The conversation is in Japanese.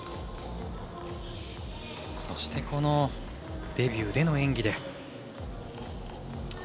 そして、このデビューでの演技で。